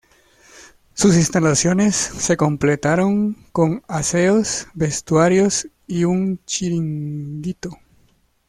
Sus instalaciones se completaron con aseos, vestuarios y un chiringuito.